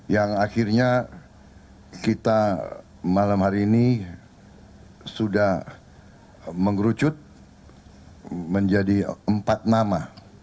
yang akhirnya kita malam hari ini sudah mengerucut menjadi empat nama